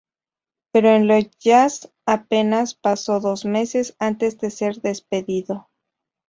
Pero en los Jazz apenas pasó dos meses antes de ser despedido.